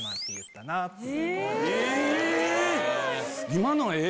今の「え」